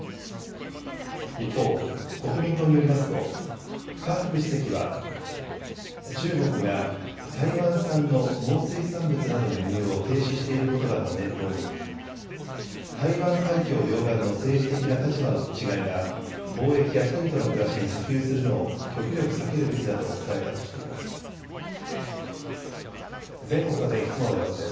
一方、国民党によりますと夏副主席は中国が台湾産の農水産物などの輸入を停止していることなどを念頭に台湾海峡両岸の政治的な立場の違いが貿易や人々の暮らしに波及するのを極力避けるべきだと伝えたとしています。